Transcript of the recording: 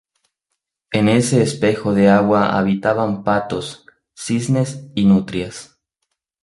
En ese espejo de agua habitaban patos, cisnes y nutrias.